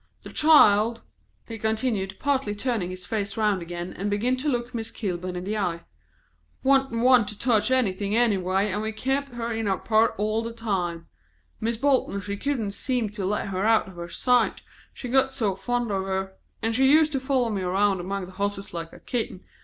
The child," he continued, partly turning his face round again, and beginning to look Miss Kilburn in the eye, "wa'n't one to touch anything, anyway, and we kep' her in our part all the while; Mis' Bolton she couldn't seem to let her out of her sight, she got so fond of her, and she used to follow me round among the hosses like a kitten.